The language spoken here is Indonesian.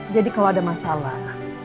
jadi kalau ada masalah